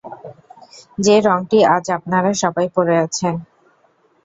যে রঙটি আজ আপনারা সবাই পরে আছেন।